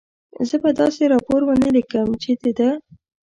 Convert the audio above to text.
زه به داسې راپور و نه لیکم، چې د ده.